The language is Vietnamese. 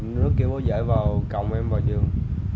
nó kêu bố dễ vào cộng em vào giường